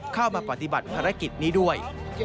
เข้ามาปฏิบัติภารกิจนี้ด้วย